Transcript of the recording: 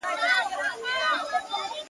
نن: سیاه پوسي ده.